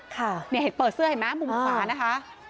ค่ะเนี่ยเห็นเปิดเสื้อเห็นไหมมุมขวานะคะ